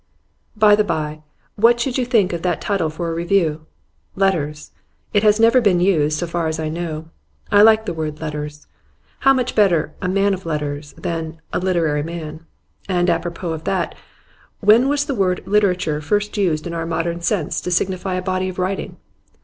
'By the by, what should you think of that title for a review Letters? It has never been used, so far as I know. I like the word "letters." How much better "a man of letters" than "a literary man"! And apropos of that, when was the word "literature" first used in our modern sense to signify a body of writing?